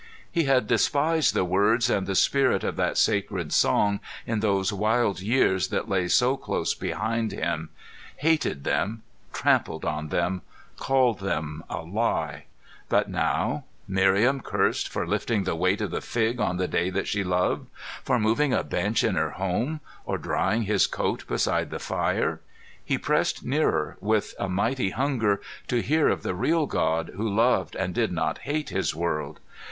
He had despised the words and the spirit of that sacred song in those wild years that lay so close behind him, hated them, trampled on them, called them a lie. But now Miriam cursed for "lifting the weight of the fig" on the day that she loved? For moving a bench in her home, or drying his coat beside the fire? He pressed nearer, with a mighty hunger to hear of the real God, who loved and did not hate His world.